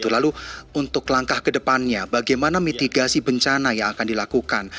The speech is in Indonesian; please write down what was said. lalu untuk langkah ke depannya bagaimana mitigasi bencana yang akan dilakukan